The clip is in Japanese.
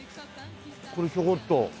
これちょこっと。